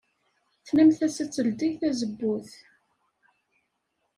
Tennamt-as ad teldey tazewwut.